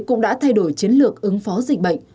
cũng đã thay đổi chiến lược ứng phó dịch bệnh